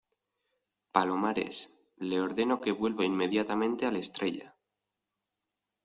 palomares, le ordeno que vuelva inmediatamente al Estrella.